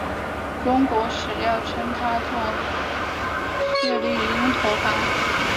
中国史料称他作释利因陀盘。